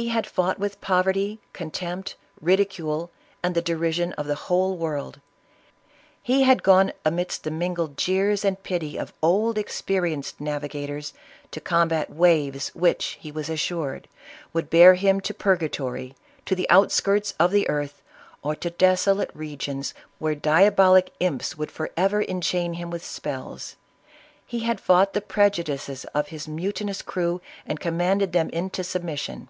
lie had fought with poverty, contempt, ridicule, and the derision of the whole world ; he had gone amidst the mingled jeers and pity of old, experienced navigators to combat waves, which he was assured would bear him to purga tory, to the outskirts oLthe earth, or to desolate re gions where diabolic imps would forever enchain him with spells; he had fought the prejudices of his mu tinous crew and commanded them into submission.